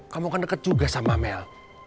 kamu kan deket juga sama mel